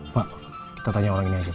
pak kita tanya orang ini aja